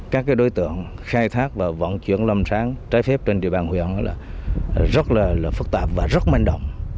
các đối tượng khai thác và vận chuyển lâm sáng trái phép trên địa bàn huyện rất là phức tạp và rất manh động